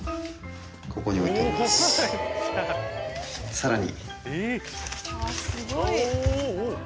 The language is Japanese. さらに。